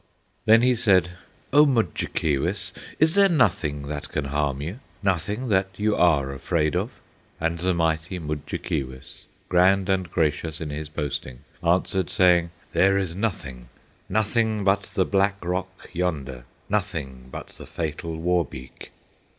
Then he said, "O Mudjekeewis, Is there nothing that can harm you? Nothing that you are afraid of?" And the mighty Mudjekeewis, Grand and gracious in his boasting, Answered, saying, "There is nothing, Nothing but the black rock yonder, Nothing but the fatal Wawbeek!"